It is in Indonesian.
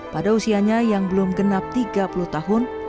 pada usianya yang belum genap tiga puluh tahun